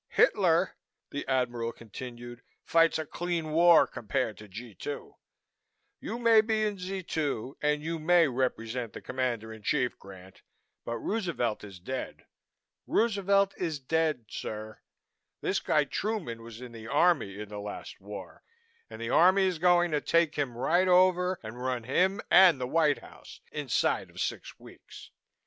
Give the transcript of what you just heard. Hitler," the Admiral continued, "fights a clean war compared to G 2. You may be in Z 2 and you may represent the Commander in Chief, Grant, but Roosevelt is dead. Roosevelt is dead, sir. This guy Truman was in the Army in the last war and the Army is going to take him right over and run him and the White House inside of six weeks.